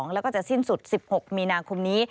แล้วก็จะสิ้นสุด๑๖มีนาคมนี้